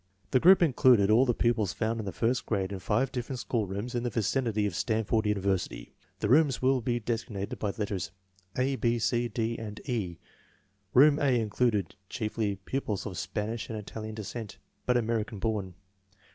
The group included all the pupils found in the first grade in five different schoolrooms in the vicinity of Stanford University. The rooms will be designated by the letters A, B, C, D, and E. Room A included chiefly pupils of Spanish and Italian descent, but American born.